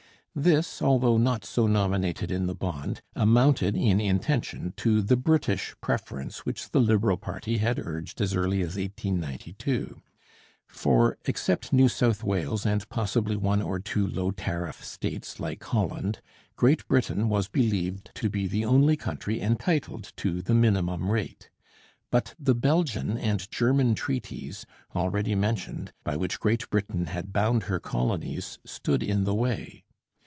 This, although not so nominated in the bond, amounted in intention to the British preference which the Liberal party had urged as early as 1892, for, except New South Wales and possibly one or two low tariff states like Holland, Great Britain was believed to be the only country entitled to the minimum rate. But the Belgian and German treaties, already mentioned, by which Great Britain had bound her colonies, stood in the way.